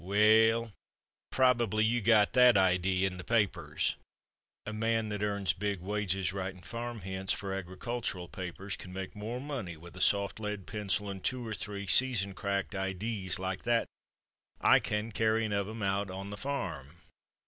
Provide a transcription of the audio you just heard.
"Well, probably you got that idee in the papers. A man that earns big wages writing Farm Hints for agricultural papers can make more money with a soft lead pencil and two or three season cracked idees like that'n I can carrying of 'em out on the farm.